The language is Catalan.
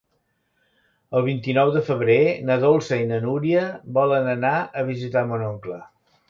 El vint-i-nou de febrer na Dolça i na Núria volen anar a visitar mon oncle.